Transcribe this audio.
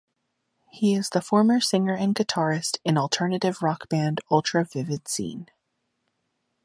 He is the former singer and guitarist in alternative rock band Ultra Vivid Scene.